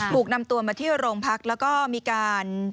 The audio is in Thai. ถูกนำตัวมาที่โรงพักแล้วก็มีการ